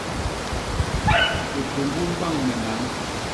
U tuñgul bañ me man.